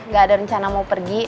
gak ada rencana mau pergi